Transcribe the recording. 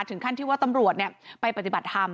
ถึงขั้นที่ว่าตำรวจไปปฏิบัติธรรม